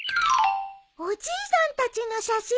おじいさんたちの写真？